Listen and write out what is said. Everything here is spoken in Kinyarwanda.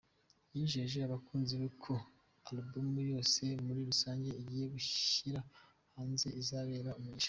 Yijeje abakunzi be ko alubumu yose muri rusange agiye gushyira hanze izababera umugisha.